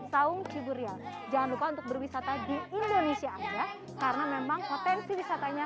saung ciburial jangan lupa untuk berwisata di indonesia karena memang potensi wisatanya